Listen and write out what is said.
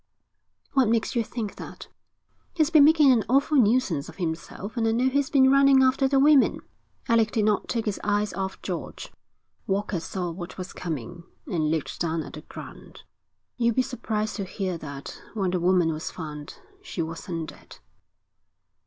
'What makes you think that?' 'He's been making an awful nuisance of himself, and I know he's been running after the women.' Alec did not take his eyes off George. Walker saw what was coming and looked down at the ground. 'You'll be surprised to hear that when the woman was found she wasn't dead.'